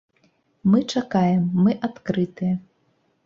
Мы чакаем, мы адкрытыя.